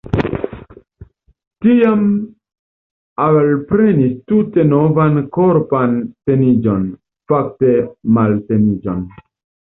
Tiam li alprenis tute novan korpan teniĝon – fakte malteniĝon.